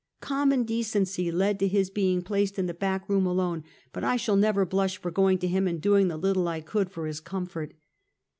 Common decency led to his being placed in the back room alone, but I shall never blush for going to him and doing the little I could for his comfort.